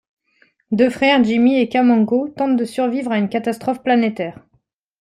Deux frères, Jimmy et Kamango, tentent de survivre à une catastrophe planétaire.